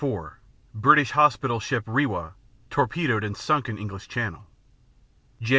4 British hospital ship "Rewa" torpedoed and sunk in English Channel. _Jan.